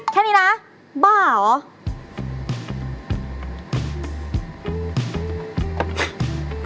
แค่นี้นะบ้าเหรอ